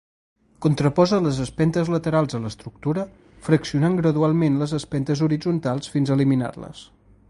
Contraposa les espentes laterals de l'estructura, fraccionant gradualment les espentes horitzontals fins a eliminar-les.